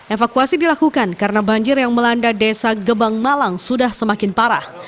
evakuasi dilakukan karena banjir yang melanda desa gebang malang sudah semakin parah